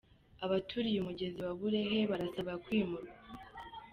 Abaturiye umugezi wa Burehe barasaba kwimurwa